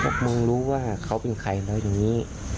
มึงรู้ว่าเขาเป็นใครนะอย่างนี้